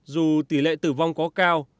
dù tỷ lệ tử vong có cao